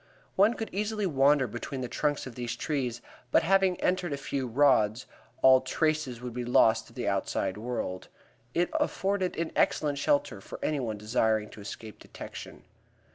One could easily wander between the trunks of these trees, but having entered a few rods, all traces would be lost of the outside world. It afforded an excellent shelter for anyone desiring to escape detection.